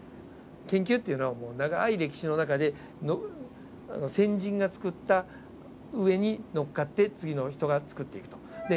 研究っていうのは長い歴史の中で先人が作った上に乗っかって次の人が作っていくと。